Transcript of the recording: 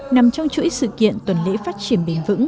nằm trong chuỗi sự kiện tuần lễ phát triển bền vững